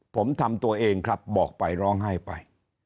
ผมทำตัวเองครับบอกไปร้องไห้ไป